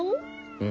うん。